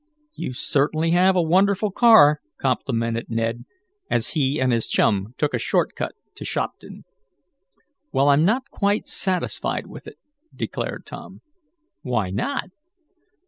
"You certainly have a wonderful car," complimented Ned, as he and his chum took a short cut to Shopton. "Well, I'm not quite satisfied with it," declared Tom. "Why not?"